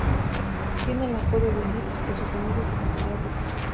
Tiene el apodo de "Lips" por sus amigos y compañeros de equipo.